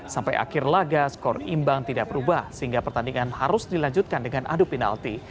sampai akhir laga skor imbang tidak berubah sehingga pertandingan harus dilanjutkan dengan adu penalti